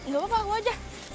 gak apa apa aja